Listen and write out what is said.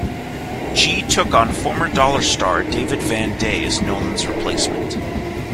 G took on former Dollar star David Van Day as Nolan's replacement.